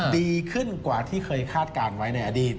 ดีขึ้นกว่าที่เคยคาดการณ์ไว้ในอดีต